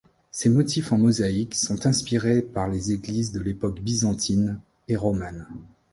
Ces motifs en mosaïques sont inspirés par les églises de l'époque byzantine et romane.